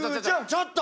ちょっと！